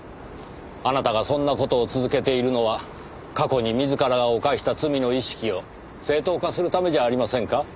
あなたがそんな事を続けているのは過去に自らが犯した罪の意識を正当化するためじゃありませんか？